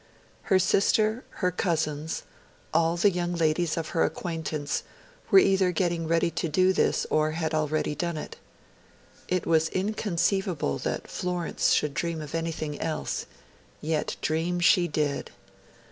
Her sister, her cousins, all the young ladies of her acquaintance, were either getting ready to do this or had already done it. It was inconceivable that Florence should dream of anything else; yet dream she did.